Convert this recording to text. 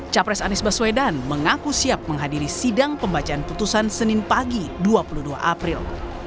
capres anies baswedan mengaku siap menghadiri sidang pembacaan putusan senin pagi dua puluh dua april